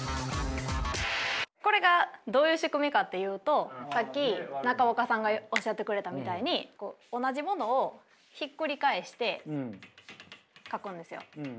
これがどういう仕組みかというとさっき中岡さんがおっしゃってくれたみたいに同じものをひっくり返して書くんですよ。